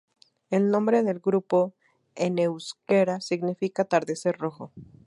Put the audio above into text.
El nombre del grupo, en euskera, significa "atardecer rojo".